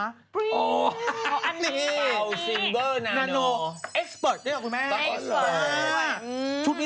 อันนี้